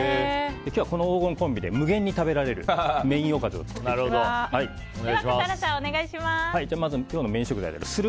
今日はこの黄金コンビで無限に食べられるメインおかずをでは笠原さん、お願いします。